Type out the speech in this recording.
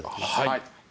はい。